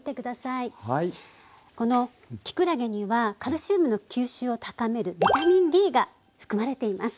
きくらげにはカルシウムの吸収を高めるビタミンＤが含まれています。